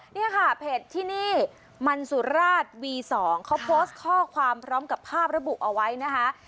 นี่ค่ะเพจที่นี่มันสุราชวี๒เขาโพสต์ข้อความพร้อมกับภาพระบุเอาไว้นะคะ